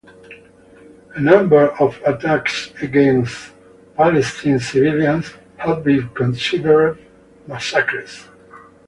A number of attacks against Israeli civilians have been considered massacres.